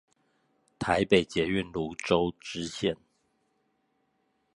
台北捷運蘆洲支線